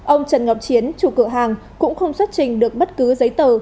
ông trần ngọc chiến chủ cửa hàng cũng không xuất trình được bất cứ giấy tờ